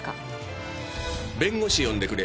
弁護士呼んでくれ。